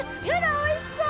おいしそう！